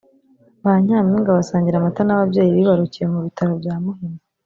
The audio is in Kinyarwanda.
ba Nyampinga basangira amata n’ababyeyi bibarukiye mu bitaro bya Muhima